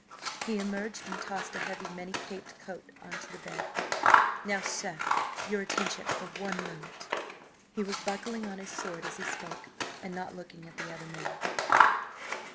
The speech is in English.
He emerged and tossed a heavy, many caped coat on to the bed. "Now, sir, your attention for one moment." He was buckling on his sword as he spoke, and not looking at the other man.